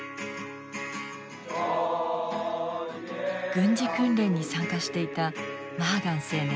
軍事訓練に参加していたマーガン青年。